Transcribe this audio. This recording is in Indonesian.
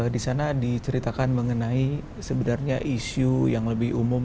di sana diceritakan mengenai sebenarnya isu yang lebih umum